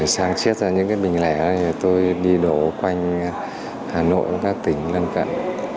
sáng chiết ra những cái bình lẻ đó thì tôi đi đổ quanh hà nội và các tỉnh gần gần